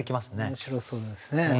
面白そうですね。